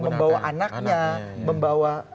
membawa anaknya membawa